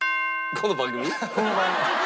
この番組。